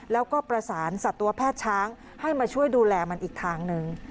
แล้วก็ประสานสัตวแพทย์ช้างให้มาช่วยดูแลมันอีกทางหนึ่ง